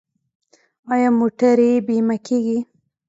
آیا موټرې بیمه کیږي؟